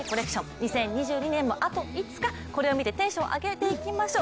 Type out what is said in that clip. ２０２２年もあと５日これを見てテンションを上げていきましょう。